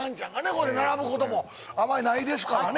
これ並ぶこともあまりないですからね